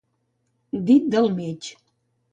Dit del mig.